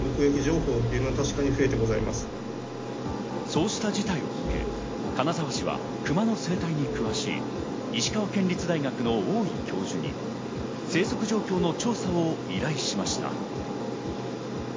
そうした事態を受け金沢市はクマの生態に詳しい石川県立大学の大井教授に、生息状況の調査を依頼しました。